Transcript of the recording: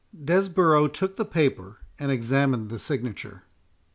Desborough took the paper and examined the signature.